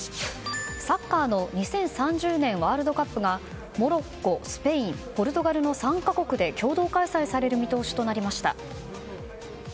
サッカーの２０３０年ワールドカップがモロッコ、スペインポルトガルの３か国で共同開催される見通しとなりました。